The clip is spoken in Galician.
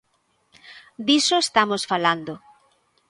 Diso estamos falando.